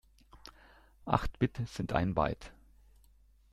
Acht Bit sind ein Byte.